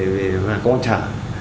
và công an trả